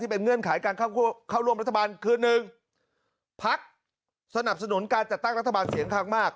เป็นเงื่อนไขการเข้าร่วมรัฐบาลคือ๑พักสนับสนุนการจัดตั้งรัฐบาลเสียงข้างมาก